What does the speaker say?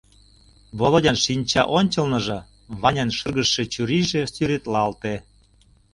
— Володян шинча ончылныжо Ванян шыргыжше чурийже сӱретлалте.